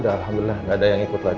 udah alhamdulillah gak ada yang ikut lagi